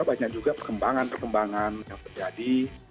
banyak juga perkembangan perkembangan yang terjadi